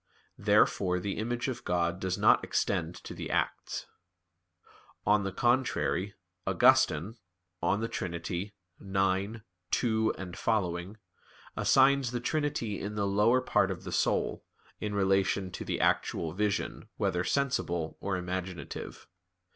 Therefore the image of God does not extend to the acts. On the contrary, Augustine (De Trin. xi, 2 seqq.) assigns the trinity in the lower part of the soul, in relation to the actual vision, whether sensible or imaginative.